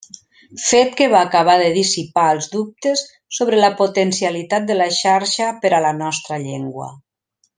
Fet que va acabar de dissipar els dubtes sobre la potencialitat de la xarxa per a la nostra llengua.